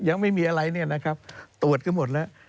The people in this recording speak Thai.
ยังไม่มีอะไรเนี่ยนะครับตรวจก็หมดแล้ว